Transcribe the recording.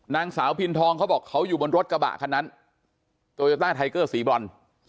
นางสาวพินทองเขาบอกเขาอยู่บนรถกระบะคันนั้นโตโยต้าไทเกอร์สีบรอน